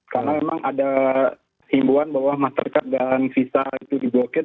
karena memang ada himbauan bahwa mastercard dan visa itu di blocked